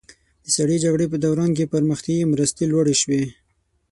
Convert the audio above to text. د سړې جګړې په دوران کې پرمختیایي مرستې لوړې شوې.